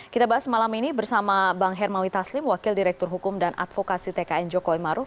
kita bahas malam ini bersama bang hermawi taslim wakil direktur hukum dan advokasi tkn jokowi maruf